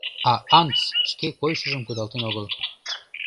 А Антс шке койышыжым кудалтен огыл.